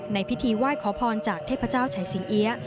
ในพิธีไหว้ขอพรจากเทพเจ้าชัยสิงเอี๊ยะ